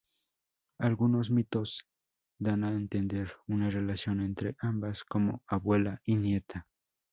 Algunos mitos dan a entender una relación entre ambas, como abuela y nieta.